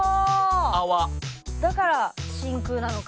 だから真空なのか。